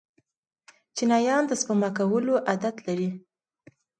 چینایان د سپما کولو عادت لري.